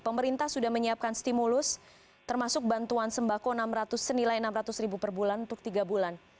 pemerintah sudah menyiapkan stimulus termasuk bantuan sembako senilai rp enam ratus ribu per bulan untuk tiga bulan